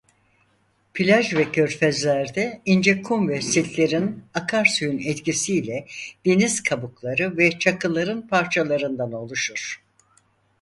Plaj ve körfezlerde ince kum ve siltlerin akarsuyun etkisi ile deniz kabukları ve çakılların parçalarından oluşur.